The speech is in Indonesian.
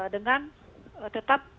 dengan tetap melakukan